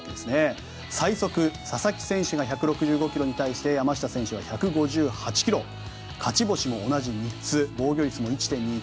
最速、佐々木投手が１６５キロに対して山下選手は１５８キロ勝ち星も同じ３つ防御率は１．２１